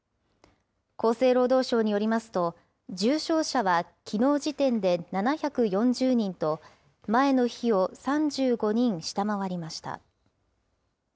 厚生労働省によりますと、重症者はきのう時点で７４０人と、前の日を３５人下回りました。